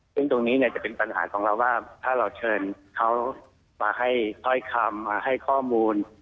ซึ่งตรงนี้เนี่ยจะเป็นปัญหาของเราว่าถ้าเราเชิญเขามาให้ถ้อยคำมาให้ข้อมูล